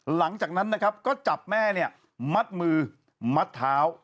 หลังจากนั้นนะครับก็จับแม่เนี่ยมัดมือมัดเท้า